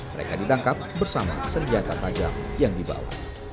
mereka ditangkap bersama senjata tajam yang dibawa